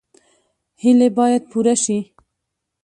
هیلې باید پوره شي